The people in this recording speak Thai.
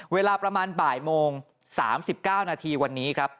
เวลาประมาณบ่ายโมง๓๙นาทีวันนี้ครับ